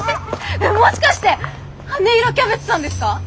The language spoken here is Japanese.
もしかして羽色キャベツさんですか？